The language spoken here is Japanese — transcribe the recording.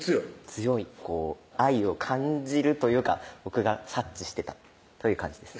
強い愛を感じるというか僕が察知してたという感じです